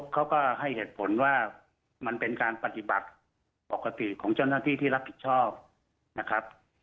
เขาก็ให้เหตุผลว่ามันเป็นการปฏิบัติปกติของเจ้าหน้าที่ที่รับผิดชอบนะครับ